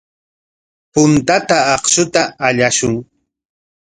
Puntata akshuta allashun.